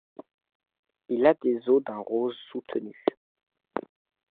Il a des eaux d'un rose soutenu.